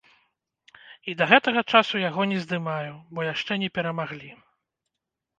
І да гэтага часу яго не здымаю, бо яшчэ не перамаглі.